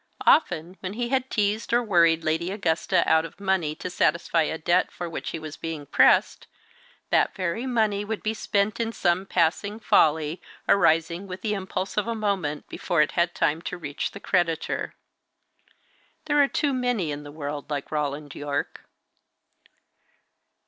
Often, when he had teased or worried Lady Augusta out of money, to satisfy a debt for which he was being pressed, that very money would be spent in some passing folly, arising with the impulse of the moment, before it had had time to reach the creditor. There are too many in the world like Roland Yorke.